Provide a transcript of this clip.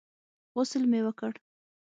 غسل مې وکړ.